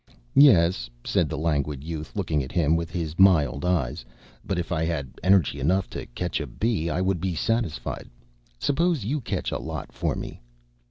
"Yes," said the Languid Youth, looking at him with his mild eyes, "but if I had energy enough to catch a bee I would be satisfied. Suppose you catch a lot for me."